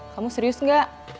kamu serius nggak